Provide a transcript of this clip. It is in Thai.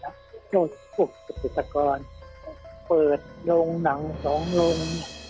โชชพุทธกรเปิดโรงหนังสองโรง